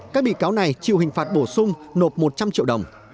các bị cáo này chịu hình phạt bổ sung nộp một trăm linh triệu đồng